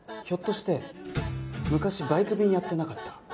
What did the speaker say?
ひょっとして昔バイク便やってなかった？